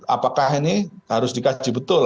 apakah ini harus dikaji betul